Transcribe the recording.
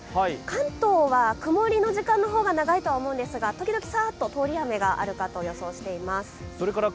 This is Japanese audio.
関東は曇りの時間の方が長いとは思うんですが、時々サーッと通り雨があるかと予想しています。